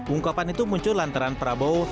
ungkapan itu muncul lantaran prabowo